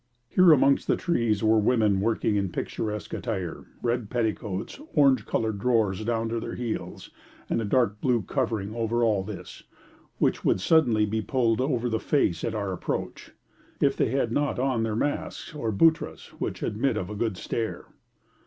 Here amongst the trees were women working in picturesque attire, red petticoats, orange coloured drawers down to their heels, and a dark blue covering over all this, which would suddenly be pulled over the face at our approach, if they had not on their masks, or buttras, which admit of a good stare.